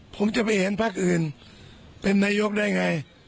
ผมจะไปเห็นภาคอื่นเป็นนายกได้ไง